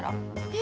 え！